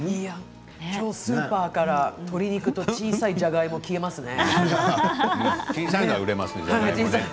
今日スーパーから鶏肉と小さいじゃがいもが消えますね。